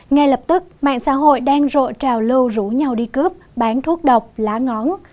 ngay lập tức mạng xã hội đang rộ trào lưu rủ nhau đi cướp bán thuốc độc lá ngón